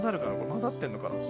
混ざってんのかな？